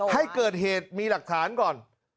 ให้เกิดเหตุมีหลักฐานก่อน